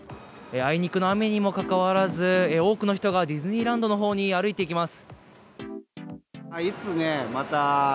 あいにくの雨にもかかわらず多くの人がディズニーランドのほうに歩いていきます。